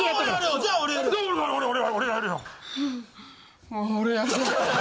じゃあ俺俺がやるよ。